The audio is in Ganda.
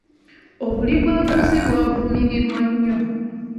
Obuli bw'enguzi bwavumirirwa nnyo.